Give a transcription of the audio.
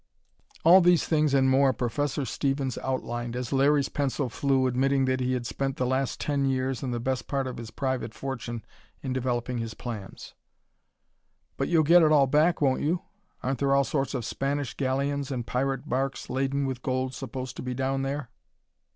All these things and more Professor Stevens outlined, as Larry's pencil flew, admitting that he had spent the past ten years and the best part of his private fortune in developing his plans. "But you'll get it all back, won't you? Aren't there all sorts of Spanish galleons and pirate barques laden with gold supposed to be down there?"